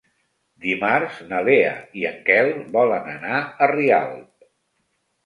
Dimarts na Lea i en Quel volen anar a Rialp.